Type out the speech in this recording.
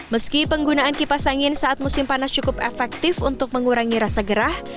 meski penggunaan kipas angin saat musim panas cukup efektif untuk mengurangi rasa gerah